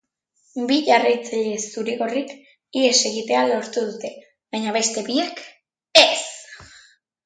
Bi jarraitzaile zuri-gorrik ihes egitea lortu dute, baina beste biek ez.